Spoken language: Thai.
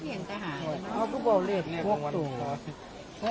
เอาทรุ่บบ่เลข๖ตัว